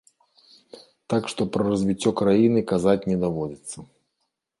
Так што пра развіццё краіны казаць не даводзіцца.